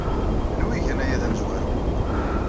Anwa ay igan aya d amezwaru?